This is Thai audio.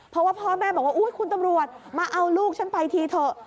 เพราะว่าพ่อแม่บอกว่าอุ๊ยคุณตำรวจมาเอาลูกฉันไปทีเถอะ